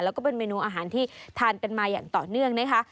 แล้วก็เป็นเมนูอาหารที่ทานกันมาอย่างต่อเนื่องนะคะ